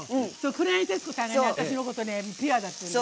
黒柳徹子さんは私のことピュアだって言うんだよ。